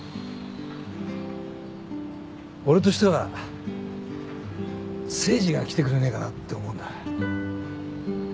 俺としては誠治が来てくれねえかなって思うんだ。